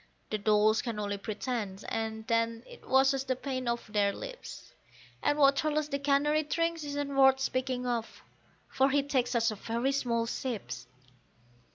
The dolls can only pretend, and then it washes the paint off their lips, And what Charles the canary drinks isn't worth speaking of, for he takes such very small sips.